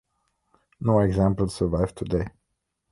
No examples survive today.